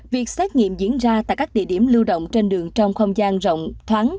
việc xét nghiệm diễn ra tại các địa điểm lưu động trên đường trong không gian rộng thoáng